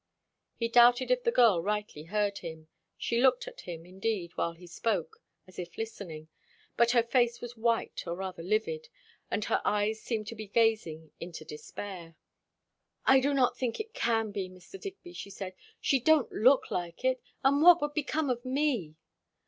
He doubted if the girl rightly heard him. She looked at him, indeed, while he spoke, as if listening; but her face was white, or rather livid, and her eyes seemed to be gazing into despair. "I do not think it can be, Mr. Digby," she said. "She don't look like it. And what would become of me?